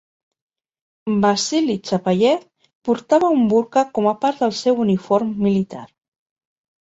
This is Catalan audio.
Vasily Chapayev portava un burca com a part del seu uniform militar.